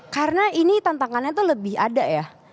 karena ini tantangannya tuh lebih ada ya